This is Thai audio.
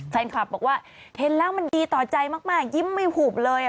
แฟนคลับบอกว่าเห็นแล้วมันดีต่อใจมากยิ้มไม่หุบเลย